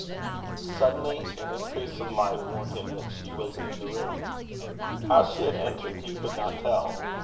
Suddenly an increase of light warned him that she was in the room. How she had entered he could not tell.